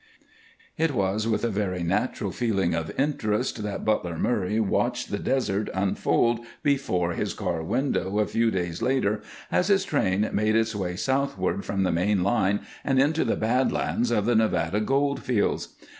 It was with a very natural feeling of interest that Butler Murray watched the desert unfold before his car window a few days later as his train made its way southward from the main line and into the Bad Lands of the Nevada gold fields.